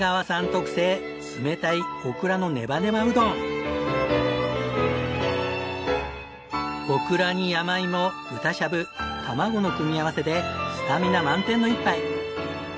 特製冷たいオクラに山芋豚しゃぶ卵の組み合わせでスタミナ満点の一杯！